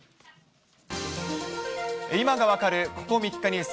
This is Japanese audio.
今が分かるここ３日ニュース。